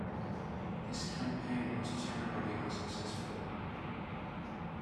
This campaign was generally unsuccessful.